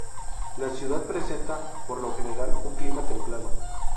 La ciudad presenta por lo general un clima templado.